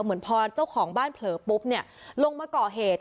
เหมือนพอเจ้าของบ้านเผลอปุ๊บเนี่ยลงมาก่อเหตุ